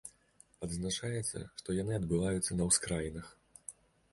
Адзначаецца, што яны адбываюцца на ўскраінах.